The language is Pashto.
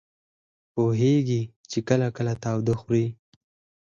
پوهېږي چې کله کله تاوده خوري.